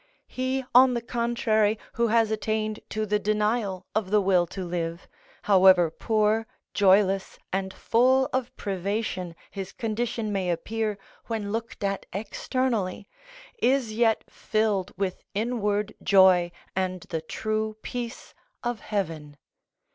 He, on the contrary, who has attained to the denial of the will to live, however poor, joyless, and full of privation his condition may appear when looked at externally, is yet filled with inward joy and the true peace of heaven.